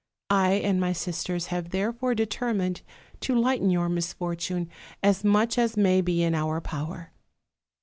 I and my sisters have therefore determined to lighten your misfortune as much as may be in our power.